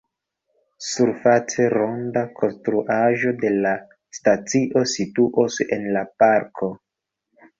Surface, ronda konstruaĵo de la stacio situos en la parko.